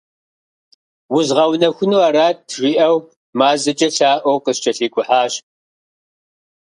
«Узгъэунэхуну арат» жиӏэу мазэкӏэ лъаӏуэу къыскӏэлъикӏухьащ.